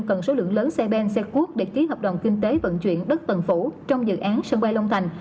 cần số lượng lớn xe ben xe cuốc để ký hợp đồng kinh tế vận chuyển đất tầng phủ trong dự án sân bay long thành